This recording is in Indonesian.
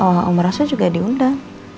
oh om rasul juga diundang